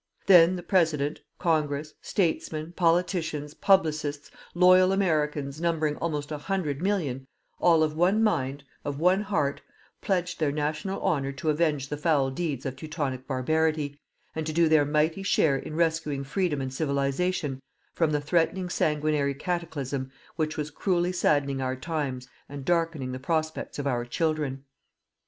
Then the President, Congress, statesmen, politicians, publicists, loyal Americans numbering almost a hundred million, all of one mind, of one heart, pledged their national honour to avenge the foul deeds of Teutonic barbarity, and to do their mighty share in rescuing Freedom and Civilization from the threatening sanguinary cataclysm which was cruelly saddening our times and darkening the prospects of our children.